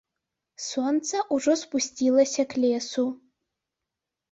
Сонца ўжо спусцілася к лесу.